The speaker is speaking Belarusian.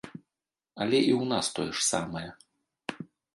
Але і ў нас тое ж самае.